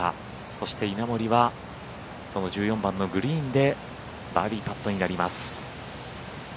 そして稲森はその１４番のグリーンでバーディーパットになります。